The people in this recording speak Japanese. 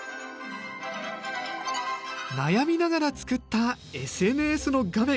悩みながら作ったＳＮＳの画面。